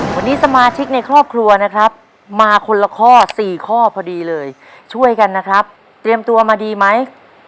วันนี้สมาชิกในครอบครัวนะครับมาคนละข้อสี่ข้อพอดีเลยช่วยกันนะครับเตรียมตัวมาดีไหม